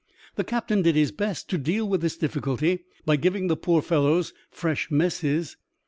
The captain did his best to deal with this difficulty by giving the poor fellows fresh messes.